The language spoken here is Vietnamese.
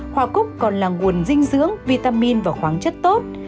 hoa cúc còn là nguồn dinh dưỡng vitamin và khoáng chất tốt